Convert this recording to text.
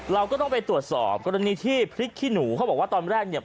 เราก็ต้องไปตรวจสอบกรณีที่พริกขี้หนูเขาบอกว่าตอนแรกเนี่ย